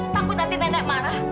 takut nanti nenek marah